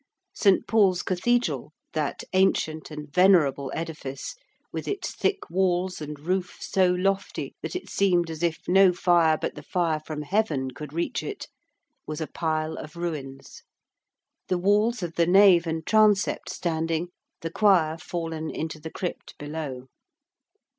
St. Paul's Cathedral, that ancient and venerable edifice, with its thick walls and roof so lofty, that it seemed as if no fire but the fire from heaven could reach it, was a pile of ruins, the walls of the nave and transept standing, the choir fallen into the crypt below.